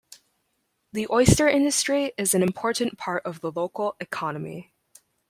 The oyster industry is an important part of the local economy.